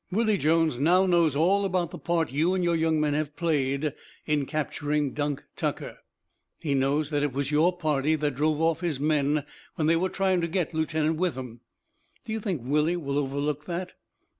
Willie Jones now knows all about the part you and your young men have played in capturing Dunk Tucker. He knows that it was your party that drove off his men when they were trying to get Lieutenant Withem. Do you think Willie will overlook that?